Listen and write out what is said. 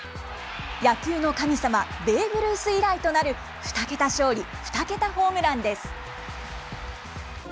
野球の神様、ベーブ・ルース以来となる２桁勝利２桁ホームランです。